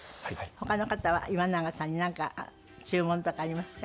他の方は岩永さんになんか注文とかありますか？